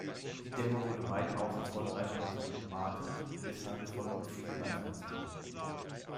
Die Demo wurde weitaus erfolgreicher als erwartet, deshalb folgten viele Livekonzerte.